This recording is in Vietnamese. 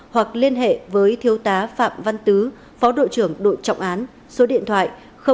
hoặc liên hệ với thiếu tá phạm văn tứ phó đội trưởng đội trọng án số điện thoại chín trăm bảy mươi chín một trăm hai mươi ba nghìn ba trăm một mươi chín